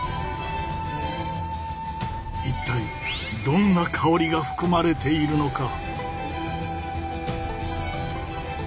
一体どんな香りが含まれているのか？